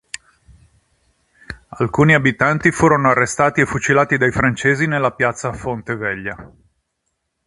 Alcuni abitanti furono arrestati e fucilati dai francesi nella piazza "Fonte Velha".